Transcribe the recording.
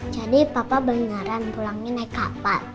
jadi papa beneran pulangnya naik kapal